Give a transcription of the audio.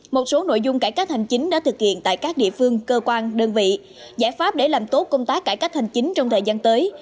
một số nội dung cải cách hành chính đã thực hiện tại các địa phương cơ quan đơn vị giải pháp để làm tốt công tác cải cách hành chính trong thời gian tới